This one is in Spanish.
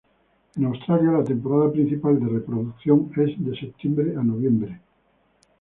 En Australia la temporada principal de reproducción es de septiembre a noviembre.